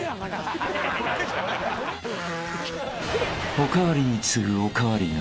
［お代わりに次ぐお代わりが］